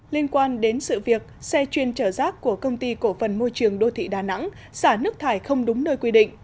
liên quan đến sự việc xe chuyên chở rác của công ty cổ phần môi trường đô thị đà nẵng xả nước thải không đúng nơi quy định